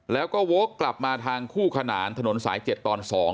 แล้วก็โว้กกลับมาทางคู่ขนานถนนสายเจ็ดตอนสอง